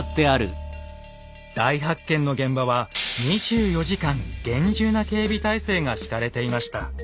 大発見の現場は２４時間厳重な警備態勢が敷かれていました。